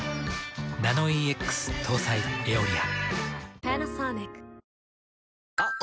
ナノイーＸ搭載「エオリア」。